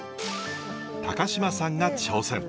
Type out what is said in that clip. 高島さんが挑戦。